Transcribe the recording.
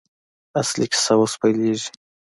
اصلي کیسه اوس پیلېږي.